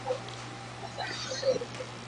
Amah he kan i rual.